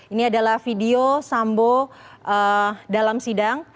ini adalah video sambo dalam sidang